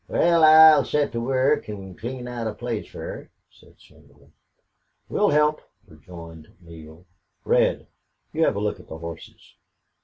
"Wal, I'll set to work an' clean out a place fer her," said Slingerland. "We'll help," rejoined Neale. "Red, you have a look at the horses."